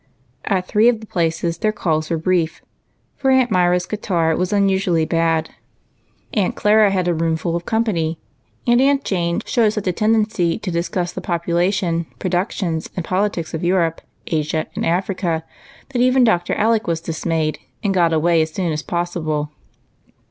At three of the places their calls were brief, for Aunt Myra's catarrh was unusually bad ; Aunt Clara had a room full of company ; and Aunt Jane showed such a tendency to discuss the population, productions, and politics of Europe, Asia, and Africa, that even 60 EIGHT COUSINS. Dr. Alec was dismayed, and got away as soon as possible.